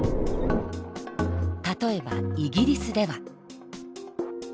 例えばイギリスでは。